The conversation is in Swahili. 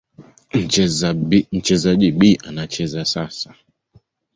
Mchezaji B anacheza sasa.